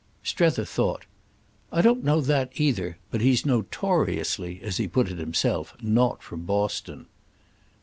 Strether thought. "I don't know that, either. But he's 'notoriously,' as he put it himself, not from Boston."